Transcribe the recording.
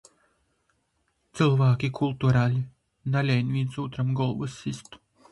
Cylvāki kulturali, nalein vīns ūtram golvys sist.